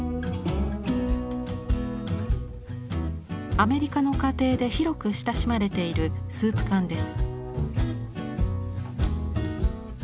アメリカの家庭で広く親しまれているスープ缶です。